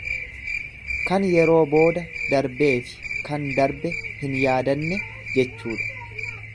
Kan yeroo booda darbeefi kan darbe hin yaadanne jechuudha.